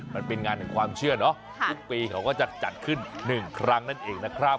มันเป็นงานแห่งความเชื่อเนาะทุกปีเขาก็จะจัดขึ้นหนึ่งครั้งนั่นเองนะครับ